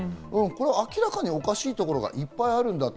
明らかにおかしいところがいっぱいあるんだと。